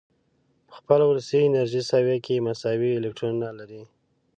په خپل وروستي انرژیکي سویه کې مساوي الکترونونه لري.